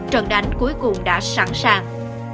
trận đánh cuối cùng đã sẵn sàng